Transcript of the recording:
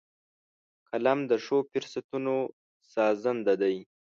قلم د ښو فرصتونو سازنده دی